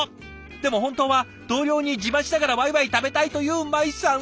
でも本当は同僚に自慢しながらワイワイ食べたいというマイさん。